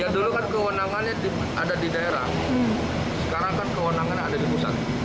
dulu kan kewenangannya ada di daerah sekarang kan kewenangannya ada di pusat